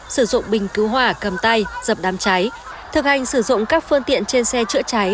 sử dụng bình cứu hỏa cầm tay dập đám cháy thực hành sử dụng các phương tiện trên xe chữa cháy